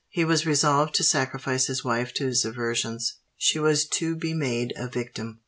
He was resolved to sacrifice his wife to his aversions. She was to be made a victim.